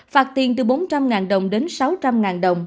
phạt tiền từ bốn trăm linh đồng đến sáu trăm linh đồng